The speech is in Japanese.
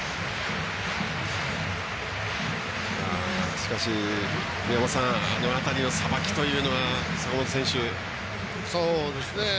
しかし、宮本さんあの辺りのさばきというのは坂本選手。